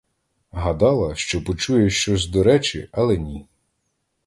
Гадала, що почує щось до речі, — але ні.